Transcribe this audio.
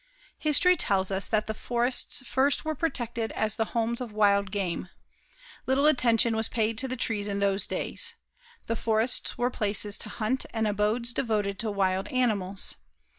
History tells us that the forests first were protected as the homes of wild game. Little attention was paid to the trees in those days. The forests were places to hunt and abodes devoted to wild animals.